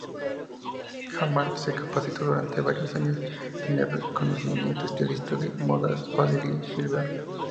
Jamal se capacitó durante varios años con el reconocido estilista de modas Odile Gilbert.